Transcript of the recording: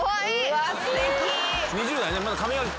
うわっすてき。